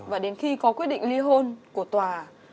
và khi con quyết định li hôn thì